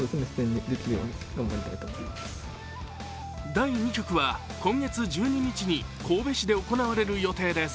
第２局は今月１２日に神戸市で行われる予定です。